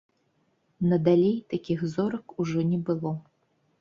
Надалей такіх зорак ужо не было.